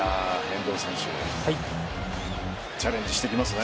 遠藤選手チャレンジしてきますね。